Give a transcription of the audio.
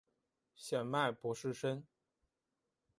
显脉柏氏参